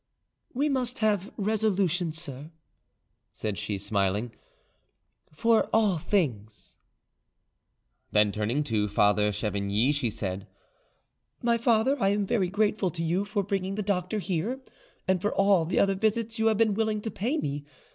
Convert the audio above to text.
"We must have resolution, sir," said she, smiling, "for all things." Then turning to Father Chavigny, she said: "My father, I am very grateful to you for bringing the doctor here, and for all the other visits you have been willing to pay me.